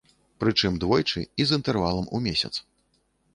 Прычым, двойчы і з інтэрвалам у месяц.